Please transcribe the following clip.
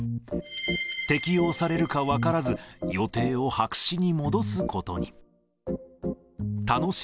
適用されるか分からず、予定を白紙に戻すことに。